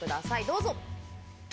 どうぞ。